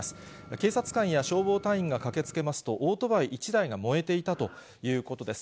警察官や消防隊員が駆けつけますと、オートバイ１台が燃えていたということです。